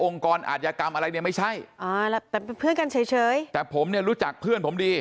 กรอาธิกรรมอะไรเนี่ยไม่ใช่อ่าแต่เป็นเพื่อนกันเฉยเฉยแต่ผมเนี่ยรู้จักเพื่อนผมดี